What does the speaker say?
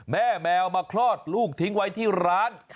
แมวมาคลอดลูกทิ้งไว้ที่ร้าน